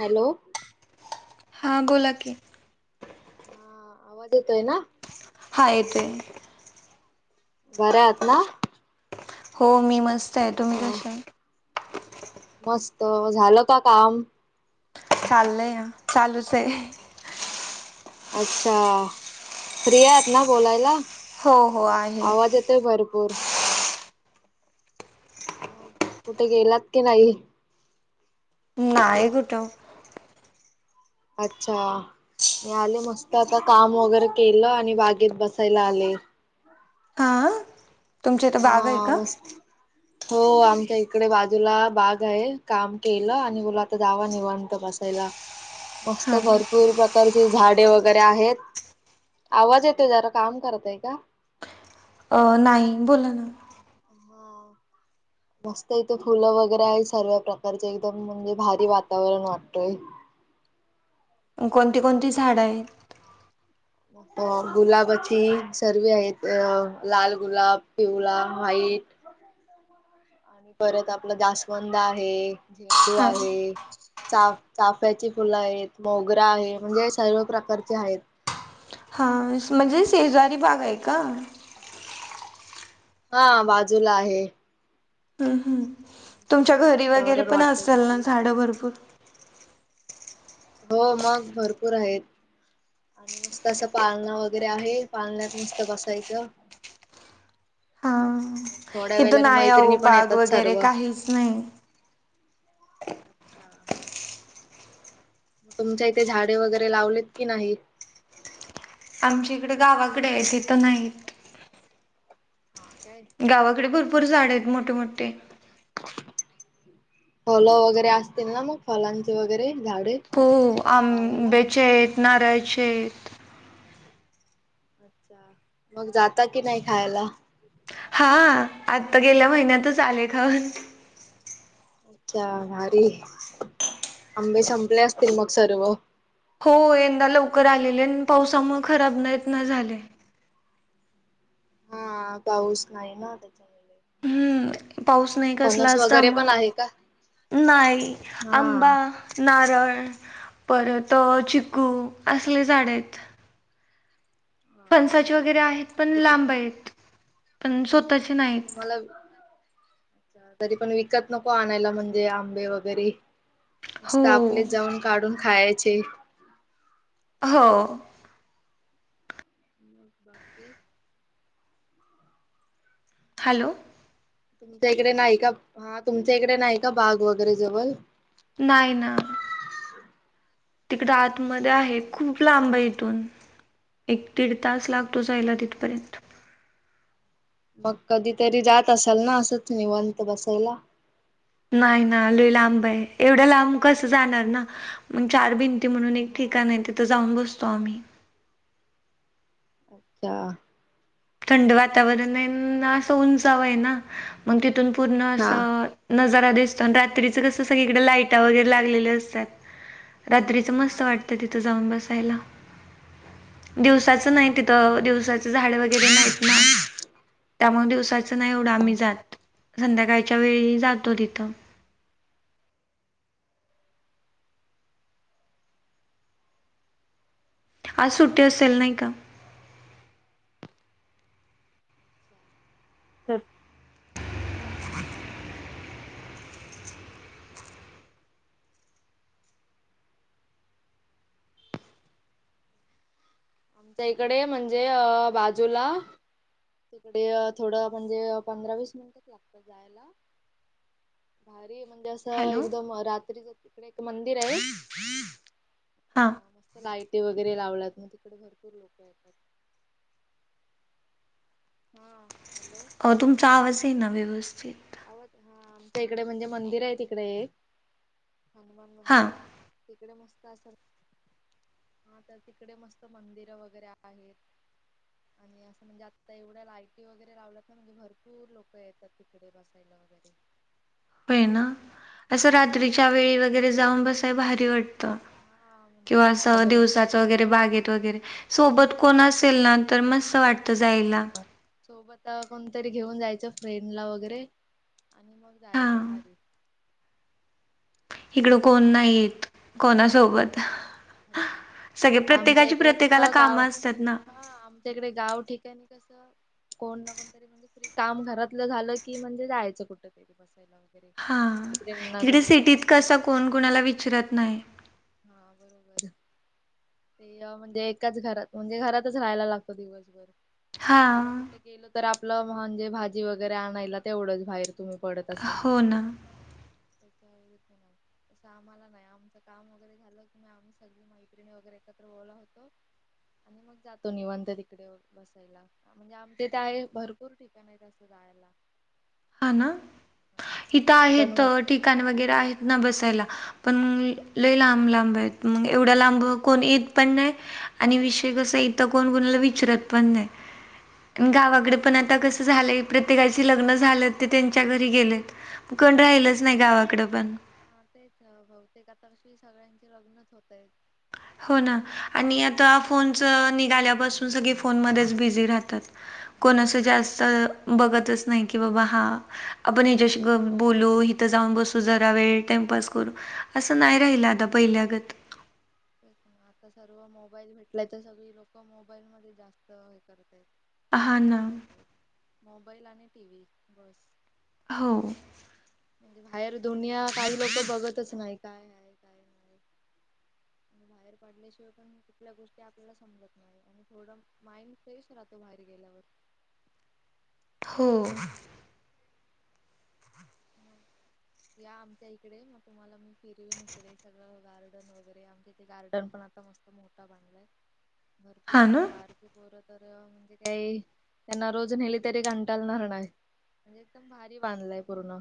Hello. हा बोला की. हा आवाज येतोय ना? हा येतोय. बर्या आहात ना. हो मी मस्त आहे, तुम्ही अ कशा.. मस्त, झालं का काम. चालय चालूच हे. अच्छा फ्रिआहात ना बोलायला. हो हो आहे आवाज येतोय भरपूर. मग कुठे गेलात की नाही. नाही कुठं. अच्छा. मी आले मस्त आता काम वगैरे केलं आणि बागेत बसायला आले. हा तुमच्या इथं बाग आहे हा का? मस्त हो आमच्या इकडे बाजूला बाग आहे, काम केलं आणि मनल आता जावा निवणत बसायला. मस्त हा भरपूर प्रकारची झाडे वगैरे आहेत. आवाज येतो जरा काम करतय का? अ नाही बोला ना. हा. मस्त इथे फुलं वगैरे आहे सर्व्या प्रकारचे एकदम म्हणजे भारी वातावरण वाटतय. [inaudible] कोणती कोणती झाड आहेत? मग गुलाबाची सर्व आहेत अ लाल गुलाब, पिवळ, व्हाईट. एक. आणि परत आपला जास्वंद आहे, झेंडू हा आहे. चा चाफ्याची फुलं आहेत, मोगरा आहे म्हणजे सर्व प्रकारचे आहेत, अं आणि मग म्हणजे शेजारी बाग आहे का? हा बाजूला आहे. हम् हम् मस्त तुमच्या घरी वगैरे वातावरण पण वाटतय असेल ना भारी. झाड भरपूर? हो मग भरपूर आहेत. आणि मस्त असं पाळणं वगैरे आहे पाळण्यात मस्त बसायचं हा मग थोड्या इथं वेळाने नाही आहो मैत्रिणी पण बाग येतात वगैरे सर्व. काहीच नाही अच्छा मग तुमच्या इथे झाडे वगैरे लावलेत की नाहीत? आमच्या इकडे गावाकडे आहे तिथ नाहीत. हा काय गावाकडे भरपूर झाड आहेत मोठे मोठे. फलं वगैरे असतील ना मग फलांचे वगैरे झाडे हो गावाला? आंब्याचे आहेत, नारळाचे आहेत. अच्छा मग जाता कि नाही खायला? हा आता गेल्या महिन्यातच आले खाऊन. अच्छा भारी. आंबे संपले असतील मग सर्व? हो, यंदा लवकर आलेले, पावसामुळे खराब नाहीत ना झाले. हा, पाऊस नाही ना त्याच्यामुळे. हम, पाऊस नाही कसला फणस असता वगैरे म पण आहे का? नाही हा आंबा, नारळ परत चिकू असले झाड आहेत. फणसाचे भारी. वगैरे आहेत, पण लांब आहेत पण स्वतःचे नाहीत. मला तरी पण विकत नको आणायला, म्हणजे आंबे वगैरे मस्त! हो आपलेच जाऊन काढून खायाचे. हो. बाकी? हॅलो! तुमच्या इकडे नाही का, हा तुमच्या इकडे नाही का बाग वगैरे जवळ? तिकडे आतमध्ये आहे अच्छा खूप लांबयं. एक दीड तास लागतो, जायला तिथपर्यंत. मग कधी तरी जात असाल ना, असंच निवांत बसायला? नाही ना, लय लांब आहे एवढं लांब कसं जाणार ना? म चार भिंती म्हणून, एक हा ठिकाण आहे तिथं जाऊन बसतो आम्ही. अच्छा! थंड वातावरण आहे, अन असं उंचाव आहे ना मग ति तिथुन पूर्ण हा असं नजार जारा दिसतो, आणि रात्रीचं कसं सगळीकडे लाईटं वगैरे लागलेली असतात. रात्रीचं हा मस्त वाटतं तिथं जाऊन बसायला. अच्छा दिवसाचं हा. नाही तिथं, दिवसाचं झाड वगैरे नाहीत ना, त्यामुळे दिव नाही एवढं आम्ही जात, संध्याकाळच्या वेळी जातो तिथं. आज सुट्टी असेल नाही का? [unintelligible] आमच्या इकडे म्हणजे अ बाजूला तिकडे थोडं म्हणजे, पंधरा वीस मिनिटच लागतात जायला. भात म्हणजे असं हॅलो एकदम रात्रीचं तिकडे एक मंदिर आहे. अ हां मस्त लाइटी वगैरे लावल्यात. मग तिकडे भरपूर लोक येतात. हा. हॅलो अ तुमचा आवाज आहे ना, व्यवस्थित आवाज हा, आमच्या इकडे म्हणजे मंदिर आहे तिकडे. हनुमान हां मंदिर तिकडे मस्त असल? हा, तर तिकडे मस्त मंदिर वगैरे आहेत. आणि असं म्हणजे, आता एवढ्या लायटी वगैरे लावल्यात ना म्हणजे भरपूर लोक येतात तिकडे बसायला. महिला वगैरे होय ना, असं छान रात्रीच्या वाट वेळी वगैरे जाऊन बसाय भारी वाटतं. हा म्हणजे किंवा अस काम वगैरे दिवसाच करतायत वगैरे बागेत वगैरे सोबत कोण असेल ना? तर मस्त वाटतं जायला. हा. सोबत कोणतरी घेऊन जायचं फ्रेंड ला वगैरे. आणि मग जायचं हां भारी. इकडं मस्त कोण वातावरण नाहीत कोणासोबत सगळे आमच्या प्रत्येकाची इकडे नुसता प्रत्येकाला गाव. कामं असतात ना. हा आमच्याकडे गाव ठिकाणी कस कोण ना कोणतरी म्हणजे काम घरातलं झालं की, म्हणजे जायचं कुठ तरी बसायला. वगैरे. हा मैत्रिणींना इकडे गोला सिटीत करून कस, कोण कुणाला विचारत नाही. हा बरोबर. ते म्हणजे एकाच घरात म्हणजे घरातच राहायला लागतो दिवसभर. थोडं हां. कुठे गेलं तर आपलं म्हणजे भाजी वगैरे आणायला तेवढंच बाहेर. तुम्ही पडत असाल? [unintelligible] हो ना. तसं आम्हाला नाही आमचं काम वैगरे झालं की आम्ही सगळी मैत्रिणी वगैरे एकत्र बोला होतो. आणि मग जातो निवंत तिकडे बसायला म्हणजे आम ते ते आहे भरपूर ठिकाणं आहे तसं रायला हा ना? इथं गार्डन आहेत व ठिकाणं वगैरे आहेत ना बसायला. पण लय लांब लांब आहेत मग एवढा लांब कोण येत पण नाही, आणि विशे आणि कसंय, इथं कोण कोणाला विचारत पण नाही. अच्छा. गावाकडे पण आता कसं झालंय प्रत्येकाची लग्न झालेत ते त्यांच्या घरी गेलेत, मग कोण राहिलंच नाही गावाकडं पण. हा तेच बहुतेक आता कशी सगळ्यांचे लग्नच होतंय. हो ना, आणि आता फोनचं निघाल्यापासून सगळे फोनमध्येच बिझी राहतात. हो. कोण असं जास्त बघतच नाही की बाबा हा, आपण हिच्याशी ग् बोलू इथं जाऊन बसू जरा वेेळ ट् पास करू, असं नाही राहिलं आता पहिल्यागत. [inaudible] आता सर्व मोबाईल भेटलाय तर सगळी लोक मोबाईल मध्ये जास्त हे करतायत. हां ना. लक्ष देतायत. मोबाईल आणि टीव्ही बस. हो. म्हणजे बाहेर दुनिया, काही लोक बघतच नाही काय आहे काय नाही. [inaudible] बाहेर पडल्याशिवाय पण कुठल्या गोष्टी आपल्याला समजत नाही, आणि थोडं माइंड फ्रेश राहतो बाहेर गेल्या [unintelligible] हो मग या आमच्या इकडे, मग तुम्हाला मी फिरवेन इकडे सगळं गार्डन वगैरे आमच्या इथे गार्डन पण आ आता मस्तं मोठा बनलाय भरपूर हां लोकं, ना. बारकी पोरं तर म्हणजे, काही त्यांना रोज नेली तरी कंटालनार नाय. म्हणजे एकदम भारी बांधलाय पूर्ण.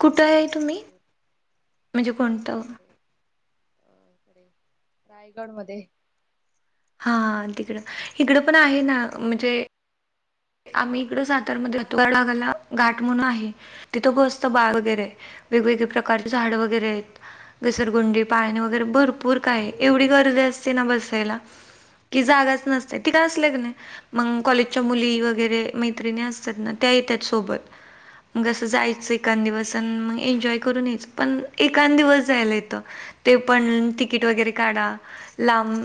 कुठं मोठा आहे तुम्ही? भरपूर, म्हणजे आमच्या कोणतं? इकडे. अ इकडे रायगड मध्ये. हा तिकडं, हिकडं पण आहे ना म्हणजे आम्ही इकडं सातारमध्ये [unintelligible] घाट म्हणून आहे, तिथं बसतो बाळ वगैरे. वेगवेगळे प्रकारचे झाड वगैरे आहेत, घसरगुंडी पाळणे वगैरे भरपूर काय एवढी गर दी असती ना बसायला, की जागा नसते ती काय असलं की नाय मग कॉलेजच्या मुली व गरे, मैत्रिणी असतात ना त्या येतात सोबत. मग असं जायचं एकान दिवस आणि मग एन्जॉय करून यायचं पण एकान दिवस जायला येतं. ते पण तिकीट वगैरे काढा, लांब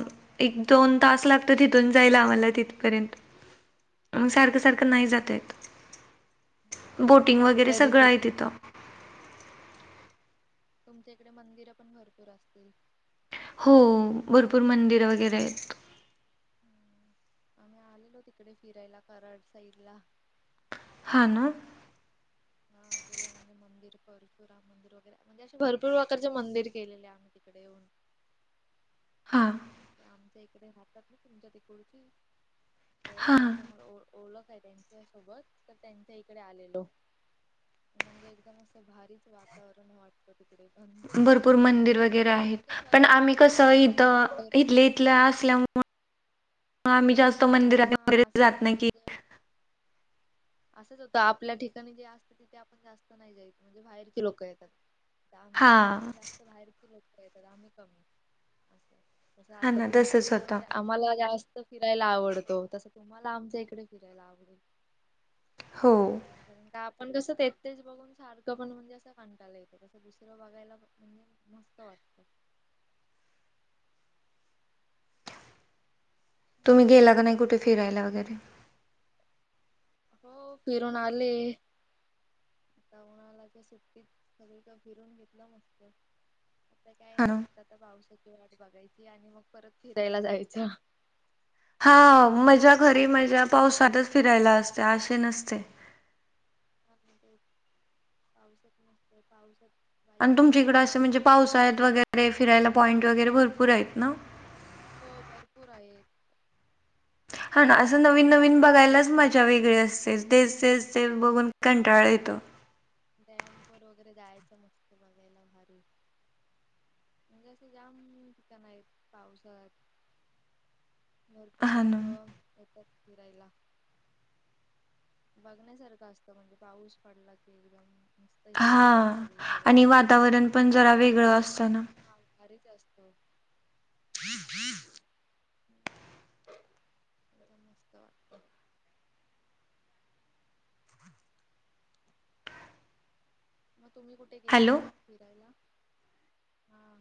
एक दोन तास लागतेत इथून जायला. मला तिथपर्यंत. [inaudible] मग सारखं सारखं नाही जाता येत. म्हणजे बोटिंग वगैरे कधीतरी सगळं आहे ठीक तिथं. हा तुमच्या इकडे मंदिर पण भरपूर असतील? हो भरपूर मंदिर वगैरे आहेत. आम्ही आलेलो तिकडे फिरायला कराड साईड ला. हा ना? हम [unintelligible] मंदिर परशुराम मंदिर वगैरे म्हणजे असे भरपूर प्रकारचे मंदिर केलेले आहे आम्ही तिकडे येऊन. [unintelligible] हां. आच्या इकडे हातात तुमच्या तिकडची तर हां. त्याच्यामुळे ओळख. काय त्यांच्या सोबत तर त्यांच्या इकडे आलेलो. म्हणजे एकदम असं भारीच वातावरण वाटत. भरपूर मंदिर वगैरे आहेत फिरण्यासारखं पण भरपूर आम्ही ठिकाण कसं हा इथं. मंदिर वगैरे इथले इथल्या असल्यामु आम्ही जास्त हा मंदिरात हा वगैरे असंच जात नाही होतं की म्हणजे [unintelligible] असंच होत आपल्या ठिकाणी जे असत तिथे आपण जास्त नाही जायच म्हणजे बाहेर क लोक येतात. आमच्या इकडे हां. पण जास्त बाहेरचे लोक येतात आम्ही कमी असं. सं हां आता ना तुमच्या तसंच इकडे होतं. वगैरे आम्हाला जास्त फिरायला आवडतो तस तुम्हाला आमच्या इकडे फिरायला आवडेल. हो. का आपण कसं. ते तेच बघून सारखं पण म्हणजे असं कंटाला येतं तसं दुसरं बघायला म्हणजे मस्त वाटत. [unintelligible] तुम्ही गेला का नाही कुठे फिरायला वगैरे हो फिरून आले. आता उन्हालाच्या सुट्टीत सग का फिरून घेतलं मस्त. आता काय हां नाही ना. फक्त आता पावसाची वाट बघायची आणि मग परत फिरायला जायचं. हा मझ्या घरी माज्या पावसातच फिरायला असते असे नसते. पाऊसच नसते पाऊसच आणि तुमच्या इकड असं म्हणजे पाऊस आहेत वगैरे फिरायला पॉईंट वगैरे भरपूर आहेत ना. हो भरपूर आहेत. हा ना असं भरपूर नवीन पॉइंट नवीन आहेत. बघायलाच मजा वेगळी असते. तेच तेच ते बघून कंटाळा येतो. डॅम् वर वगैरे जायचं मस्त बघायला भारी म्हणजे असं जाम ठिकाण आहेत पावसात. भरपूर हा ना लोक येतात फिरायला बघण्यासारखं असतं म्हणजे पाऊस पडला की एकदम मस्त हिरवागार हा सगळीकडे आणि वातावरण पण म्हणजे् जरा प वेगळं असतं ना. [unintelligible] एकदम मस्त वा मग तुम्ही कुठे गेलेलाग हॅलो फिरायला हा.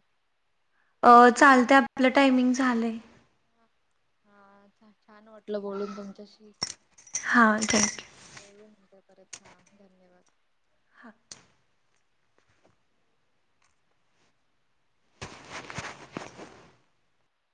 अ चालते आपलं हरी टायमिंग झालंय. हा छान वाटलं बोलून तुमच्याशी हा थँक्यू. मिटपर्यंत हा धन्यवाद. हात.